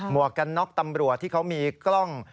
วกกันน็อกตำรวจที่เขามีกล้อง